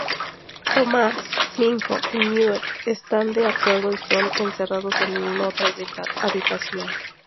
Thomas, Minho y Newt no están de acuerdo y son encerrados en otra habitación.